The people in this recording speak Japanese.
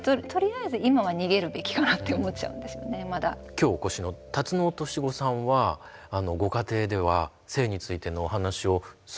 今日お越しのタツノオトシゴさんはご家庭では性についてのお話をするようにしてるそうですね。